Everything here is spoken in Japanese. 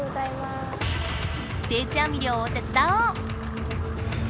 定置網漁をてつだおう！